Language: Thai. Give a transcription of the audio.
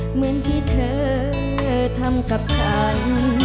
เหมือนที่เธอเธอทำกับฉัน